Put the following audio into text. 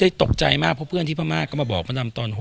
ก็เฮ้ยโต๊ะใจมากเพราะเพื่อนที่พม่าก็มาบอกพระดำตอน